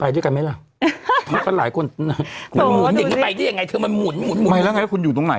ทำไมละไงคุณอยู่ตรงไหนอ่ะ